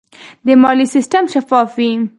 د مالیې سیستم شفاف وي.